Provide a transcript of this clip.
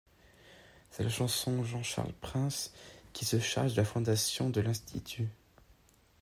C'est le chanoine Jean-Charles Prince qui se charge de la fondation de l'institut.